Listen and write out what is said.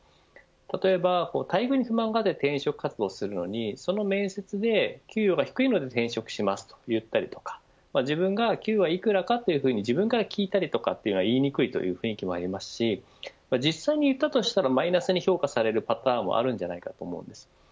例えば、待遇に不満があって転職活動するのにその面接で給与が低いので転職しますと言ったりとか自分が給与はいくらかというふうに自分から聞いたりというのは言いにくいという雰囲気もありますし実際に言ったとしたらマイナスに評価されるパターンはあるんじゃないかと思うんです。